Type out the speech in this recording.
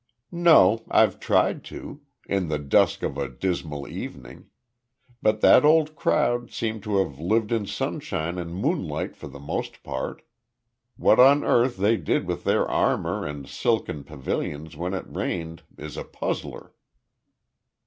"No. I've tried to in the dusk of a dismal evening. But that old crowd seem to have lived in sunshine and moonlight for the most part. What on earth they did with their armour and silken pavilions when it rained is a puzzler."